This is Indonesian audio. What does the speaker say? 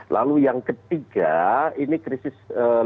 lalu yang ketiga ini krisis energi